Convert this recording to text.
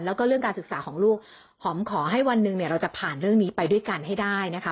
แล้วก็เรื่องการศึกษาของลูกหอมขอให้วันหนึ่งเนี่ยเราจะผ่านเรื่องนี้ไปด้วยกันให้ได้นะคะ